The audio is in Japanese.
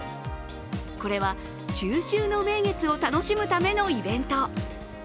これは中秋の名月を楽しむためのイベント。